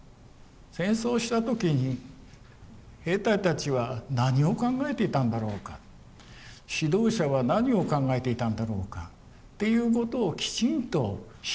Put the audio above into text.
戦争をした時に兵隊たちは何を考えていたんだろうか指導者は何を考えていたんだろうかっていうことをきちんと調べる。